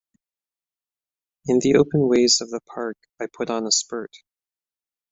In the open ways of the Park I put on a spurt.